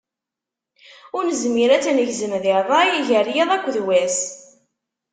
Ur nezmir ad tt-negzem di rray gar yiḍ akkeḍ wass.